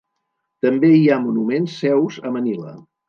També hi ha monuments seus a Manila.